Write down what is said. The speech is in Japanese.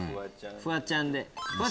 フワちゃんで。